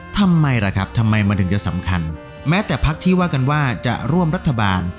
ทำไมล่ะครับทำไมมันถึงจะสำคัญแม้แต่พักที่ว่ากันว่าจะร่วมรัฐบาล